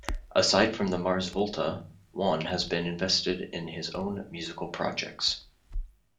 Aside from The Mars Volta, Juan has been invested in his own musical projects.